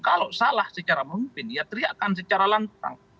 kalau salah secara memimpin ya teriakan secara lantang